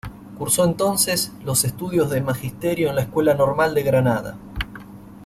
Cursó entonces los estudios de Magisterio en la Escuela Normal de Granada.